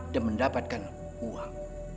dan mendapatkan uang